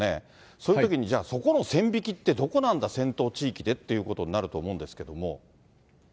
そういうときに、じゃあ、そこの線引きってどこなんだ、戦闘地域ってっていうことになると思うんですけれども。